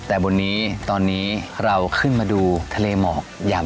ก็เป็นบริเวณของประเทศเพื่อนบ้านอิตองจากด้านหลังผมเนี่ยนะครับ